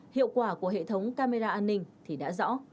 hiệu quả của hệ thống camera an ninh thì đã rõ